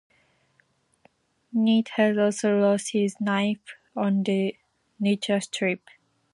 Knight had also lost his knife on the nature-strip.